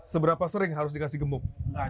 seberapa sering harus dikasih gemuk